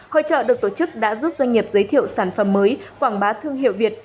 hội trợ được tổ chức đã giúp doanh nghiệp giới thiệu sản phẩm mới quảng bá thương hiệu việt